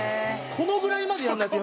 このぐらいまでやらないと。